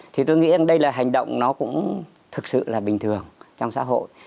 thì tôi nghĩ đây là hành động nó cũng thực sự là bình thường trong xã hội